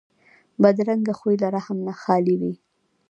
بدرنګه خوی له رحم نه خالي وي